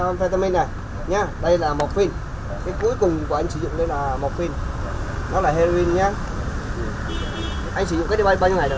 đây là mocfin cái cuối cùng của anh sử dụng đây là mocfin nó là heroin nha